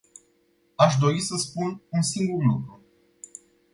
Aș dori să spun un singur lucru.